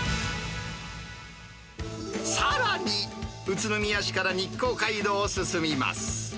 さらに、宇都宮市から日光街道を進みます。